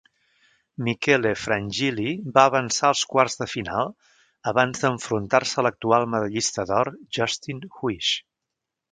Michele Frangilli va avançar als quarts de final, abans d'enfrontar-se a l'actual medallista d'or, Justin Huish.